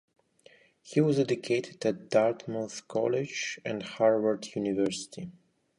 He was educated at Dartmouth College and Harvard University.